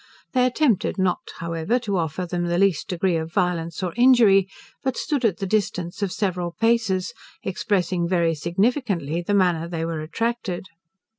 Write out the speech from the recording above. They attempted not, however, to offer them the least degree of violence or injury, but stood at the distance of several paces, expressing very significantly the manner they were attracted.